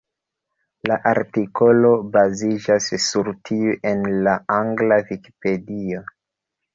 La artikolo baziĝas sur tiu en la angla Vikipedio.